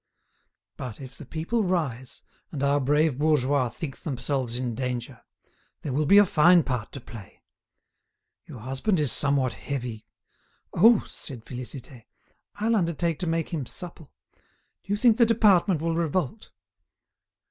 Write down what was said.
But if the people rise, and our brave bourgeois think themselves in danger, there will be a fine part to play. Your husband is somewhat heavy—" "Oh!" said Félicité, "I'll undertake to make him supple. Do you think the department will revolt?"